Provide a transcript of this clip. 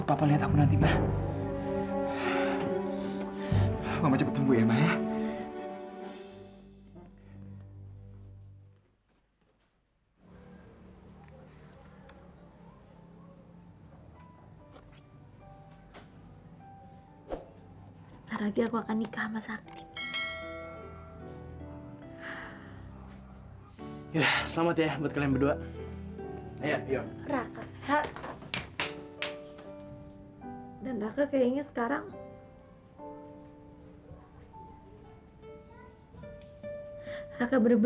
apa aku sanggup